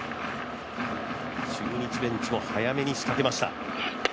中日ベンチも早めに仕掛けました。